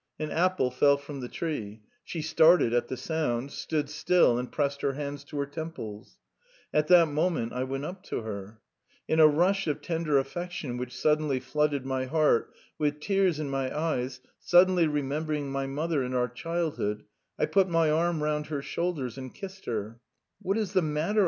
An apple fell from the tree, she started at the noise, stopped and pressed her hands to, her temples. At that moment I went up to her. In an impulse of tenderness, which suddenly came rushing to my heart, with tears in my eyes, somehow remembering our mother and our childhood, I took hold of her shoulders and kissed her. " What is the matter?